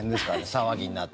騒ぎになって。